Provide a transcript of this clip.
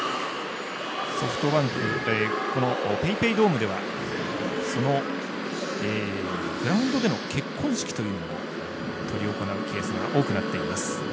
ソフトバンクＰａｙＰａｙドームではそのグラウンドでの結婚式というのも執り行うケースが多くなっています。